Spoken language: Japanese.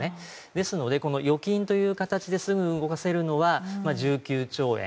ですので預金という形ですぐ動かせるのは１９兆円。